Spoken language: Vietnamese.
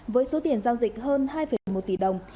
với số tiền giao dịch hơn hai một tỷ đồng